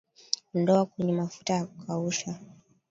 Ondoa kwenye mafuta na kukausha